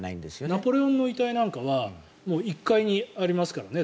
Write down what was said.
ナポレオンの遺体なんかは１階にありますからね。